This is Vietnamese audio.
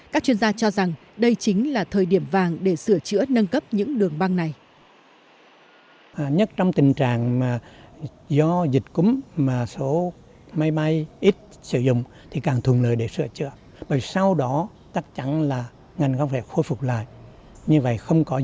các chuyên gia cho rằng đây chính là thời điểm vàng để sửa chữa nâng cấp những đường băng này